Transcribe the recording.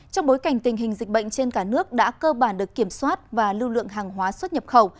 trong bối cảnh tình hình dịch bệnh trên cả nước đã cơ bản được kiểm soát và lưu lượng hàng hóa xuất nhập khẩu